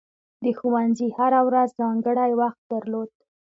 د ښوونځي هره ورځ ځانګړی وخت درلود.